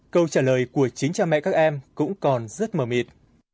câu trả lời của chính cha mẹ các em cũng còn rất mờ mịt